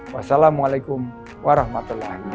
wassalamualaikum warahmatullahi wabarakatuh